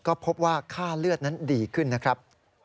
ก็พบว่าค่าเลือดนั้นดีขึ้นนะครับ